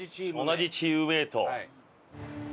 同じチームメート。